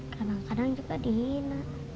kadang kadang juga dihina